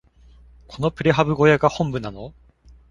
このプレハブ小屋が本部なの？